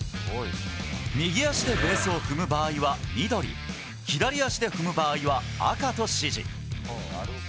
右足でベースを踏む場合は緑左足で踏む場合は赤と指示。